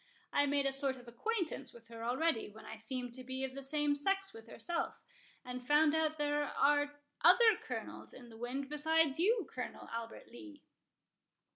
I made a sort of acquaintance with her already, when I seemed to be of the same sex with herself, and found out there are other Colonels in the wind besides you, Colonel Albert Lee."